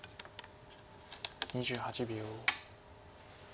２８秒。